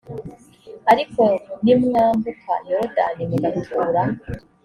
ariko nimwambuka yorodani mugatura